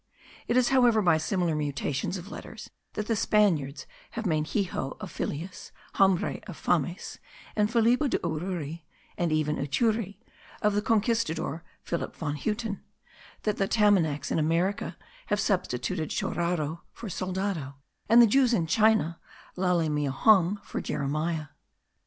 It is, however, by similar mutations of letters, that the Spaniards have made hijo of filius; hambre, of fames; and Felipo de Urre, and even Utre, of the Conquistador Philip von Huten; that the Tamanacs in America have substituted choraro for soldado; and the Jews in China, Ialemeiohang for Jeremiah.